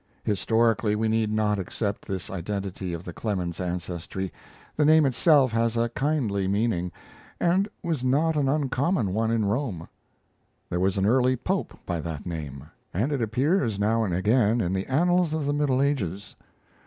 Historically, we need not accept this identity of the Clemens ancestry. The name itself has a kindly meaning, and was not an uncommon one in Rome. There was an early pope by that name, and it appears now and again in the annals of the Middle Ages.